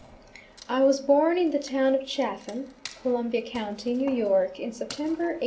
I was born in the town of Chatham, Columbia County, New York, in September, 1813.